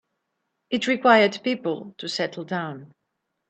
It required people to settle down.